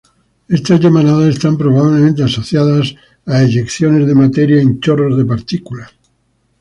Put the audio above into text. Estas llamaradas están probablemente asociadas a eyecciones de materia en chorros de partículas.